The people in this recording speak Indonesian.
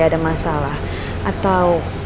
ada masalah atau